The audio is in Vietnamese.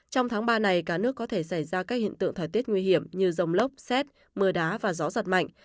trong tháng ba này cả nước có thể xảy ra các hiện tượng thời tiết nguy hiểm như rông lốc xét mưa đá và gió giật mạnh